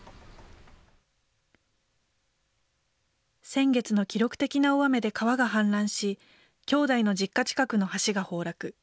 先月の記録的な大雨で川が氾濫し、兄弟の実家近くの橋が崩落。